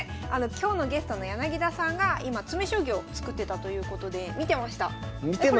今日のゲストの柳田さんが今詰将棋を作ってたということで見てました。